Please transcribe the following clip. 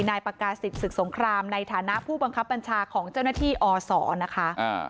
นายปากาศิษย์ศึกสงครามในฐานะผู้บังคับบัญชาของเจ้าหน้าที่อศนะคะ